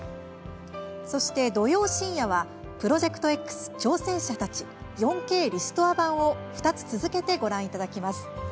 そして、土曜深夜は「プロジェクトＸ挑戦者たち４Ｋリストア版」を２つ続けてご覧いただきます。